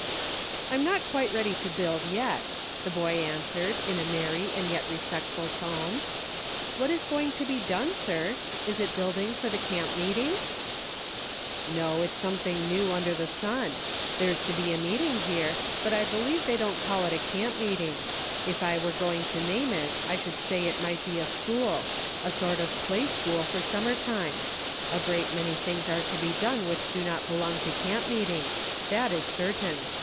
" I'm not quite ready to build yet," the boy answered, in a merry, and yet respectful tone. "What is going to be done, sir.' Is it building for the camp meeting ?"" No ; something new under the sun. There's to be a meeting here, but' I believe they don't call it a camp meeting. If I were going to name it, I should say it might be a school ; a sort of play school for summer time. A great many things are to be done which do not belong to camp meet ing ; that is certain.